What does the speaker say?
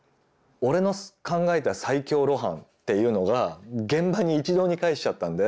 「俺の考えた最強露伴」っていうのが現場に一堂に会しちゃったんで。